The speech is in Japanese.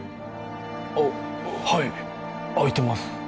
あッはい空いてます